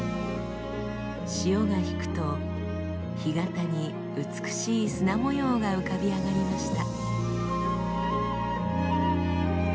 潮が引くと干潟に美しい砂模様が浮かび上がりました。